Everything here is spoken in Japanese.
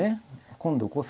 今度こそ。